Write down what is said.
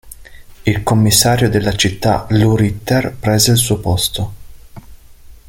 Il commissario della città Lou Ritter prese il suo posto.